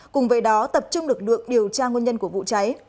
cùng với đó tập trung lực lượng điều tra nguyên nhân của vụ cháy